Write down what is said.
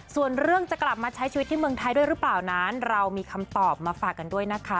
ส่วนเรื่องจะกลับมาใช้ชีวิตที่เมืองไทยด้วยหรือเปล่านั้นเรามีคำตอบมาฝากกันด้วยนะคะ